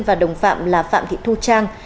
và đồng phạm là phạm thị thu trang